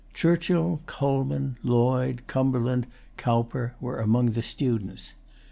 Churchill, Colman, Lloyd, Cumberland, Cowper, were among the students.